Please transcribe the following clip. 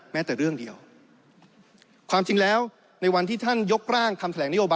แม้แต่เรื่องเดียวความจริงแล้วในวันที่ท่านยกร่างคำแถลงนโยบาย